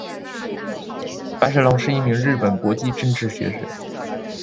白石隆是一名日本国际政治学者。